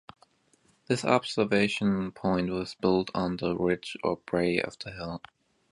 This observation point was built on the ridge or "brae" of the hill.